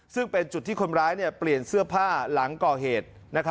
ซึ่งเป็นจุดที่คนร้ายเปลี่ยนเสื้อผ้าหลังก่อเหตุ